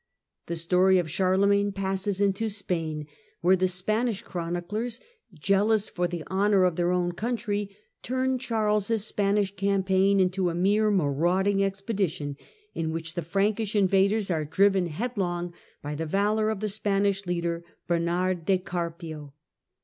The story of Charlemagne passes into Spain, where the Spanish chroniclers, jealous for the honour of their own country, turn Charles' Spanish campaign into a mere marauding ex pedition, in which the Frankish invaders are driven headlong by the valour of the Spanish leader, Bernard de Carpio.